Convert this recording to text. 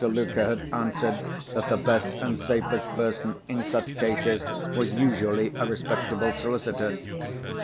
Luker had answered that the best and safest person, in such cases, was usually a respectable solicitor.